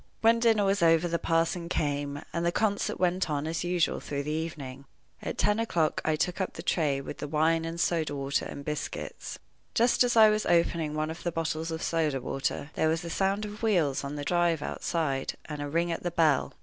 When dinner was over the parson came, and the concert went on as usual through the evening. At ten o'clock I took up the tray, with the wine, and soda water, and biscuits. Just as I was opening one of the bottles of soda water, there was a sound of wheels on the drive outside, and a ring at the bell.